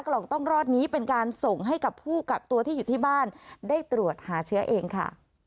กล่องต้องรอดนี้เป็นการส่งให้กับผู้กักตัวที่อยู่ที่บ้านได้ตรวจหาเชื้อเองค่ะ